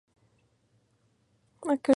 Es común se sirva en vasos altos de postre.